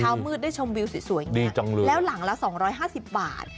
เช้ามืดได้ชมวิวสวยแล้วหลังละ๒๕๐บาท